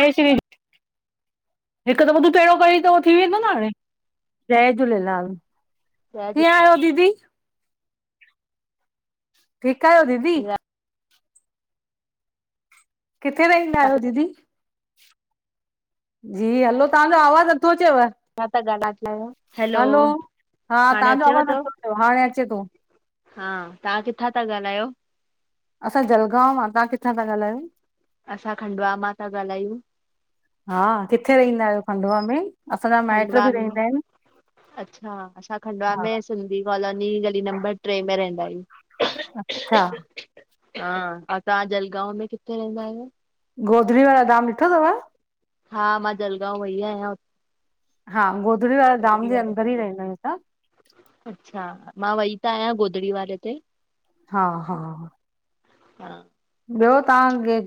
ऐं स [unintelligible] हिकु दफ़ो तू त एहणो कयूई त हो थी वेंदो न हाणे, जय झूलेलाल। जय कीअं आयो दीदी? ठीक आहियो दीदी? झूलेलाल किथे रहंदा आहियो दीदी? जी हलो तव्हांजो आवाज़ु नथो अचेव। मां त ॻाल्हाएत आहियो। हलो, हा तव्हांजो आवाज़ु थो? नथो अचे, हा हाणे अचे थो। हा, तव्हां किथां था ॻाल्हायो? असां जलगांव मां, तव्हां किथां था ॻाल्हायो? असां खंडुवा मां था ॻाल्हायूं। हा किथे रहंदा आहियो खंडुवा में? असांजा माइट खंडवा बि में, रहंदा आहिनि, अच्छा असां खंडवा हा में सिंधी कॉलोनी गली नंबर ट्रे में रहींदा आहयूं। अच्छा हा, तव्हां जलगांव में किथे रहंदा आहियो? गोधरी वारो धाम ॾिठो अथव? हा, मां जलगांव वई आहियां। हा गोधड़ी वारा धाम जे अंदरि ई रहींदा आहियूं असां। अच्छा मां वई त आहियां गोधड़ी वारे ते। हा हा हा ॿियो तव्हां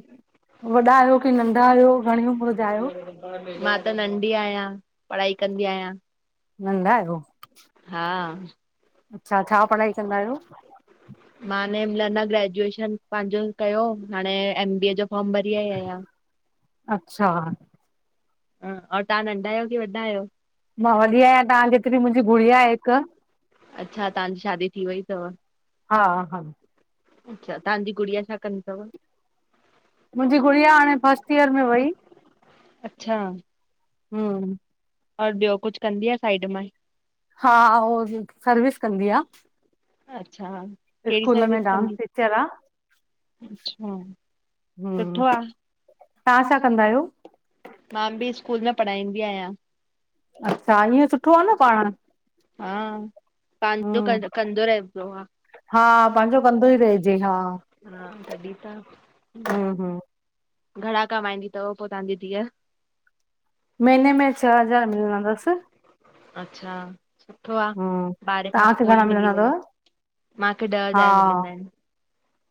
वॾा आहियो की नंढा आहियो घणी उमर? मां त नंढी आहियां। पढ़ाई कंदी आहियां। नंदा आहियो? हा अच्छा छा पढ़ाई कंदा आहियो? मां ने हिमल न ग्रेजुएशन पंहिंजो कयो, हाणे एम बी ए जो फॉर्म भरी आई आहियां। अचछा ह और तव्हां नंढा आहियो की वॾा आहियो? मां वॾी आहियां तव्हां जेतिरी मुंहिंजी गुड़िया आहे हिक। अच्छा, तव्हांजी शादी थी वई तव? हा हा अच्छा, तव्हांजी गुड़िया छा कंदी तव? मुंहिंजी गुड़िया हाणे फर्स्ट ईयर में वई। अच्छा हम् और ॿियो कुछ कंदी आ साइड मां ई? हा उ सर्विस कंदी आ। अच्छा कहिड़ी स्कूल सर्विस में डांस कंदी? टीचर आ। अच्छा सुठो आ। तां छा कंदा आयो? मां बि स्कूल में पढ़ाईंदी आहियां। अच्छा ईअं सुठो आ न पाण। हा पांजो हम्म कम कंदो रहबो आ। हा पांजो कंदो ई रहिजे हं हा तॾहिं त हम्म, हं। घणा कमाईंदी थव पो तांजी दिअ? महिने में छः हज़ार मिलंदस्। अच्छा। सुठो आ हम्म ॿारहें खां तव्हांखे पो ई घणा मिली मिलंदा वई अथव मांखे ॾह हा हज़ार मिलंदा आहिन।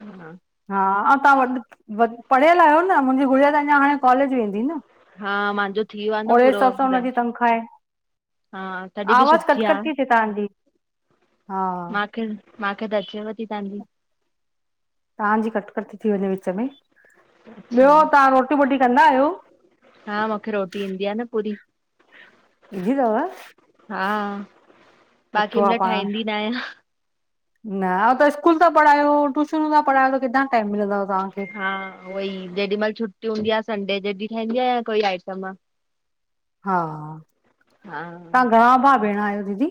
हा। हा अं तव्हां वॾ पढ़ियल आहियो न मुंहिंजी गुड़िया त अञा हाणे कॉलेज वेंदी न। हा मांजो थी वा आ न ओड़े पूरो हिसाब सां हुनजी तनख़्वाह आहे हा तॾहिं बि सुठी आ। [unintelligible] तांजी हा। मूंखे मांखे दर्चेव थी तां जी। तांजी कटकट थी वञे विच में अच्छा ॿियो तां रोटी वोटी कंदा आहियो? हा मूंखे रोटी ईंदी आ न पूरी। जि दव। हा बाक़ी आहे मल पाण ठाहींदी न आयां। न त स्कूल था पढ़ायो, ट्यूशनूं था पढ़ायो त किथां टाइम मिलंद तांखे। हां उह ई जेॾी मल छुटी हूंदी आहे संडे जॾी ठहंदी आया कोई आइटम। हां हा तां घणा भा-भेण आहियो दीदी?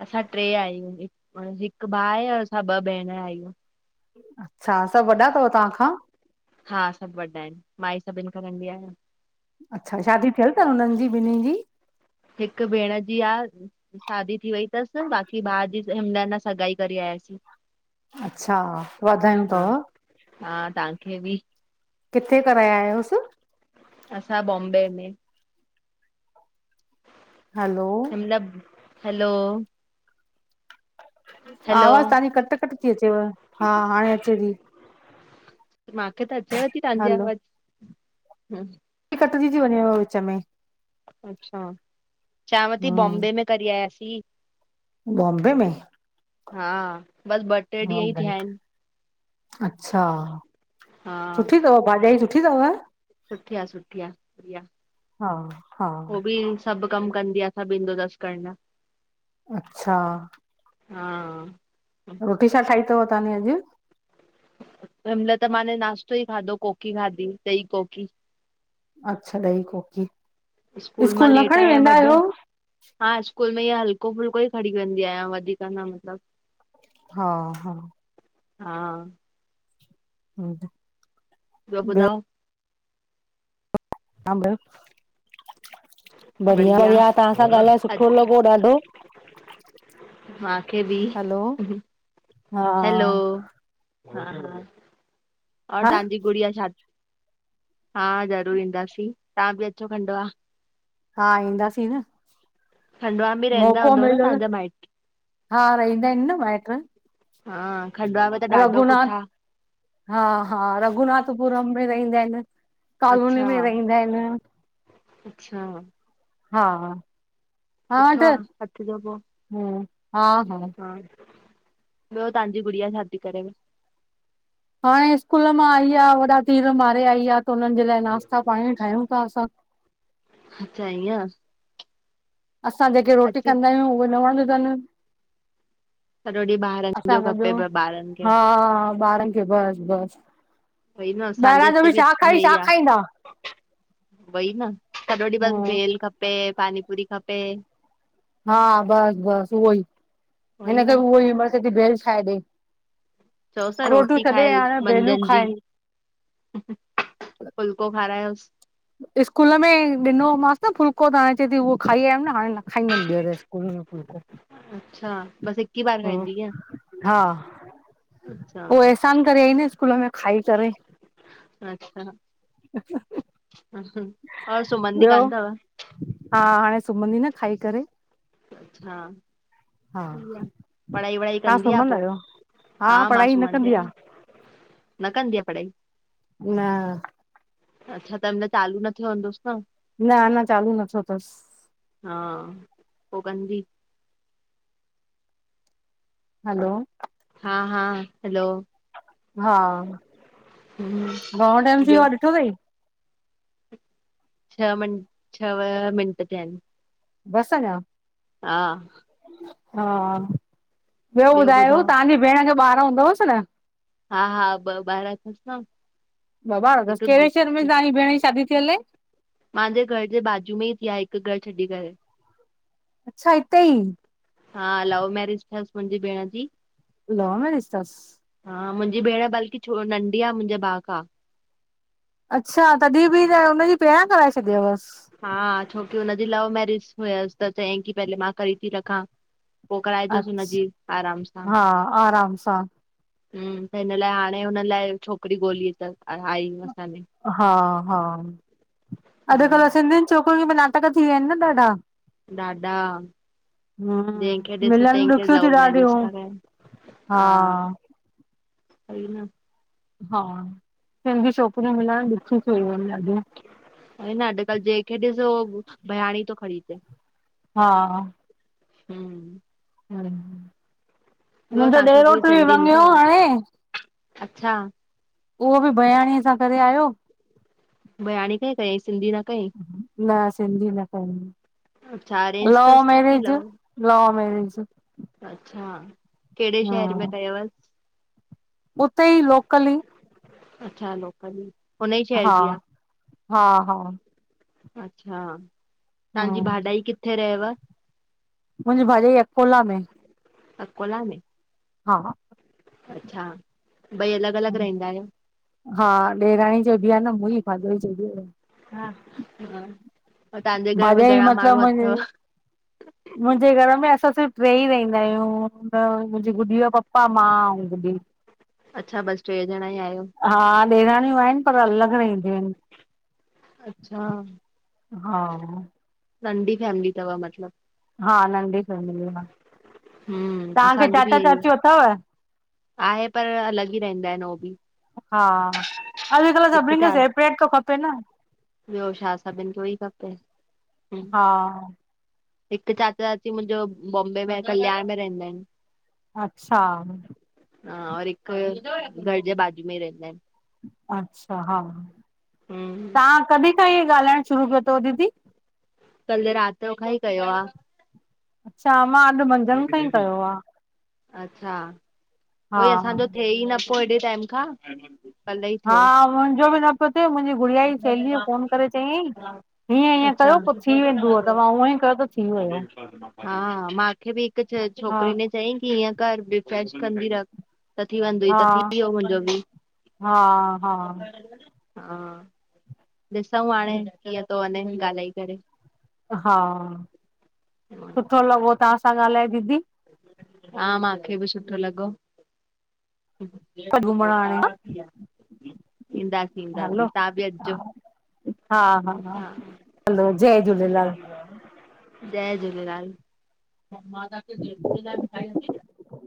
असां ट्रे आहियूं हिक भा आहे असां ॿ भेणर आहियूं। अच्छा सभु वॾा थव तांखां? हां सभ वॾा आहिन् माई सभिन खां नंढी आहियां। अच्छा शादी थियल थ हुनन् जी ॿिन्हिन् जी? हिकु भेण जी आ। शादी थी वई थस बाक़ी भा जी हिमदन सगाई करी आयासीं। अच्छा वाधायूं थव। हां तां खे बि। किथे कराया आयोस्? असां बॉम्बे में। हलो। लभ हलो। हलो आवाज़ तांजी कट कट थी अचेव हां हाणे अचे थी। मांखे त अचेव थी तांजी हलो आवाज़ ह। कटजी थी वञेव विच में। अच्छा, चांवती हम्म बॉम्बे में कॾई आयासीं। बॉम्बे में? हां बस ब। हां भई अच्छा सुठी थव भाॼाई सुठ। थी थव। सुठि या सुठि या बढ़िया हा हा हो बि। सभ कम कंदी आ सभ इंदो थस करणा। अच्छां हां आ रोटी छा ठाही तव ताने अॼ! हिनमल त माने नाश्तो ई खादो कोकी खादी, द्ही कोकी। अच्छा द्ही कोकी, स्कूल न खणी वेंदा आयों। हां स्कूल में ईअ हल्को फुल्को ई खणी वेंदी आयां वधिक न मतलब। हां-हा हा आ रोज़ ब्यो बुधाओ तां बुधायो बढ़िया बढ़िया-बढ़िया तहां सां गालाए सुठो लगो ॾाढो। माखे भी! हलो हा हलो हा-हा और हा ताहांजी गुड़िया छा हा ज़रूर ईंदासीं तहां बि अचो खंडवा। हा ईंदासीं न। खंडवा में रहंदा मौको हूंदव न मिलियो तहां त जा माइट्र हा रहंदा आहिनि न माइट हां रघुनाथ हा-हां रघुनाथ पुरम में रहेंदा आहेन। कॉलोनी अच्छा में रहिंदा आहिन अच्छा हां सुठो आ अच जो पो ह्म्म् हां-हां हां ॿयो तांजी गुड़िया छ़ाती करेव। हाणे स्कूल मां आई आह वॾा तीर मारे आई आ त हुनन जे लाए नाश्ता पाणी ठाहयूं था असां अच्छा ईंअ असां जेके रोटी कंदा आयूं उहे न वणंदी तन्। सॼो ॾींहुं ॿारनि जो असांखे ॿयो खपेव ॿारनि खे हां-हां बारन खे बस बस। सही में, असांजे ॿाहिरां जो इतेे बि छा खाई छा ईऐ आ। खाईंदा वई न, सॼो ॾिह बस हम्म भेल खपें। पानी पुरी खपे। हा! बस, बस उहो ई वई हिन खे न उहो ई बस चयेती भेल ठाहे ॾे। चओस न रोटियूं रोटी छॾे खाए हाणे भेलूं मंझंज जी। खाइनि ह्ह्ह फुल्को खारायोस। स्कूल में ॾिनो हो मास न फुल्को त हाणे चेती उहो खाई आयम न हाणे न। न खाई दम ॿियर स्कूल में फ़ुल्को अच्छा बसि हिक ई बार हम्म! खाईंदी कीअं हा! अच्छा उओ अहसान करे आई न स्कूल में खाई करे। अच्छा ह्हह। और सुमंदी ॿियो कान तव हा! हाणे सुमंदी न खाई करे। अच्छा हा पढ़ाई वढ़ाई तव्हां कंदी आ सुम्हंदा पो, आहियो हा मां पढ़ाई न सुमंदी कंदी आयां आ न। न कंदी आ पढ़ाई। न्! अच्छा त हिनमल चालू न थ्यो हुंदूस न न, अन्ना चालू न थ्यो तस। हा! पो कंदी हल़ो! हां-हा हलो! हा! घणो टाइम थी वियो ॿियो आ ॾिठो अथई? छह, मिं छह मिंट थिया आहिनि। बस अञा। हा हा, ॿियो ॿुधायो तव्हांजी भेण जो ॿारु हूंदवसि न? हा हा ॿ ॿारहांं अथसि न। ॿ ॿार तसि। हिकु कहिड़े गु- शहर में तव्हांइ भेण ई शादी थीहल ए? मुंहिंजे घर जे बाजू में ही थी आ हिक घर छॾी करे। अच्छा हिते ई हा लव मैरिज थियस मुंहिंजी भेण जी। लव मैरेज तस? हा, मुंहिंजी भेण बल्कि छो नंढी आ मुंहिंजे भाउ खां। अच्छा! तॾहिं बि न हुनजी पहिरां कराए छॾिय वसि? हा, छोकी हुनजी लव मेरिज हुयसि त चयईं की पहले मां करी थी रखां। पो कराइ जोसि हुनजी अच्छा आराम सां। हा आराम सां हम्म, त हिन लाइ हाणे हुन लाइ छोकिरी ॻोल्ही अथस आईूं असांने। हा हा, हा। अॼुकल्ह सिंधियुनि छोकिरियुनि मे भी नाटक थी विया आहिनि न ॾाढा। ॾाढा जंखे हम्म ॾिस मिलनि तंखे ॾुखियूं थियूं लव मैरिज ॾाढियूं था कयन हा। सई न हा सिंधी छोकिरियूं मिलण ॾुखी थी वयूं आहिनि ॾाढियूं वई न अॼकल्ह जेहिंखे ॾिस हो भयाणी थो खणी अचे। हा हम् हम् ॿियो मुंहिंजो तव्हांखे पूरी ॾेरोट्र बि सिंधी ईंदी मांगियो तव हाणे। अच्छा उहो बि भयाणींय सां करे आयो। बयाणी खा कई सिंधी न कई? न सिंधी न अच्छा कई। अरेंज लव तसि की मैरेज लव? लव मैरेज अच्छा कहिड़े शहर में हम्म कयवस? उते ई लोकली ई। अच्छा लोकल ई। हुन ई शहर हा जी आ हा हा अच्छा तव्हांजी हम्म भाॾाई किथे रहेव? मुंहिंजी भाॼाई अकोला में। अकोला में? हा अच्छा ॿई अलॻि अलॻि रहंदा आहियो? हा ॾेराणी चय बि आहे न मुंई भाॼाई चय बि आ या। हा हा, तव्हांजे घर में भाॼाई घणा माण्हू मतिलबु अथव? मुंहिंजी मुंहिंजे घर में असां सिर्फ़ु ट्रे ही रहंदा आहियूं मुंहिंजी गुॾीअ जो पपा मां ऐं गुॾी। अच्छा बसि ट्रे ॼणा ई आहियो? हा ॾेराणियूं आहिनि पर अलॻि न रईंदियूं आहिनि। अच्छा हा नंढी फैमिली तव मतलब? हा नंढी फैमिली आ। हम्म असांजी बि इहे ई चाचियूं अथव आहे पर अलग ई रहंदा आहिन उ बि। हा अॼुकल्ह हिक सभिनीनि खे चार सेपरेट थो खपे न ॿियो छा सभिन खे ई खपे। हा हिक चाचा चाची मुंहिंजो बॉम्बे में कल्याण में रहंदा आहिन। अच्छा हा और हिक घर जे बाजू में ई रहंदा आहिन। अच्छा हा आहिन। तव्हां कॾहिं खां इहे ॻाल्हाइण शुरू कयो तव दीदी? कल रात खां ई कयो आ। शामा अल मंद अच्छा हा कोई असांजो थए ई न पो हेॾे टाइम खां। कल्ह ई थियो। हा मुंहिंजो बि न पियो थिए मुंहिंजी गुड़िया जी सेलीअ फोन करे चयई। हीअं हीअं अच्छा कयो पो थी वेंदव त मा हूअं ई कयो त थी वियो। हा मांखे बि हिक हा छोकिरी ने चयईं की इअं घर रिफ्रेश कंदी रख। त थी वेंदोई हा त थी वियो मुंहिंजो बि। हा हा हा ॾिसंउ हाणे कीअं थो वञे ॻाल्हाए करे। हा सुठो लॻो तव्हां सां ॻाल्हाए दीदी। हा मांखे बि सुठो लॻो। घुमण हाणे [unintelligible] ईंदासीं हलो ईंदासीं तव्हां बि अचजो। हा हा हा हलो जय ठीकु आ, झूलेलाल जय झूलेलाल